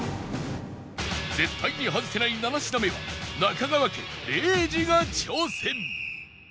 絶対に外せない７品目は中川家礼二が挑戦